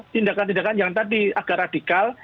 tindakan tindakan yang tadi agak radikal